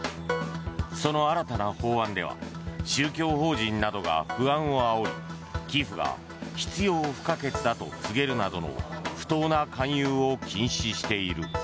その新たな法案では宗教法人などが不安をあおり寄付が必要不可欠だと告げるなどの不当な勧誘を禁止している。